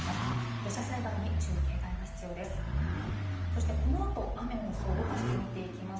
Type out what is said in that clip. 土砂災害に注意・警戒が必要です。